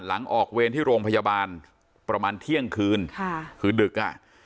หลังออกเวรที่โรงพยาบาลประมาณเที่ยงคืนค่ะคือดึกอ่ะ